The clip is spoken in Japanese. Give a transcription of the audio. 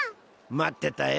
待ってたよ。